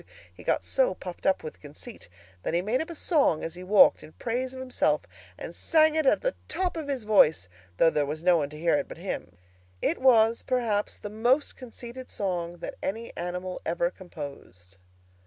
He got so puffed up with conceit that he made up a song as he walked in praise of himself, and sang it at the top of his voice, though there was no one to hear it but him. It was perhaps the most conceited song that any animal ever composed.